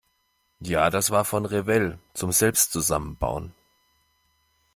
Ja, das war von Revell, zum selbst zusammenbauen.